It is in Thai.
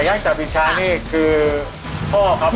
ไก่ย่างจาปรีชาเนี่ยคือท่อครับ